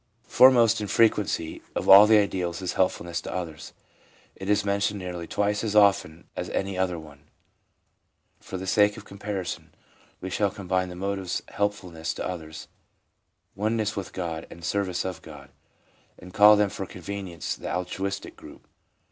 Foremost in frequency of all the ideals is helpful ness to others; it is mentioned nearly twice as often as any other one. For the sake of comparison, we shall combine the motives helpfulness to others, oneness with God and service of God, and call them for convenience the altruistic group.